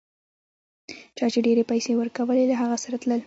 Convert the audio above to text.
چا چي ډېرې پیسې ورکولې له هغه سره تلل.